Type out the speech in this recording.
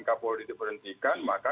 k polri diberhentikan maka